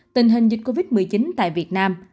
tình hình dịch covid một mươi chín tại việt nam